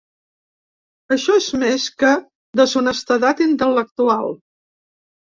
Això és més que deshonestedat intel·lectual.